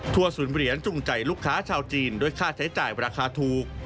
ศูนย์เหรียญจูงใจลูกค้าชาวจีนด้วยค่าใช้จ่ายราคาถูก